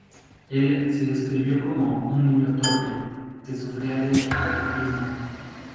Él se describió como un "niño torpe" que sufría de raquitismo.